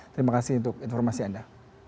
terima kasih untuk informasi anda